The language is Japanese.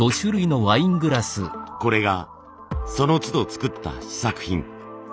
これがそのつど作った試作品。